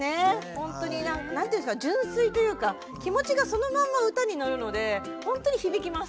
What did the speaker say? ホントに何ていうんですか純粋というか気持ちがそのまんま歌に乗るのでホントに響きます。